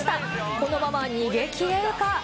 このまま逃げきれるか。